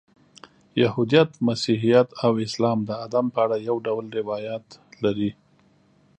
یهودیت، مسیحیت او اسلام د آدم په اړه یو ډول روایات لري.